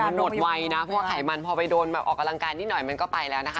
มันหมดไวนะเพราะว่าไขมันพอไปโดนแบบออกกำลังกายนิดหน่อยมันก็ไปแล้วนะคะ